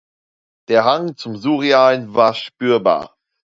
Der Hang zum Surrealen war spürbar.